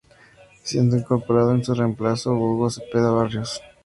Siendo incorporado en su reemplazo, Hugo Zepeda Barrios.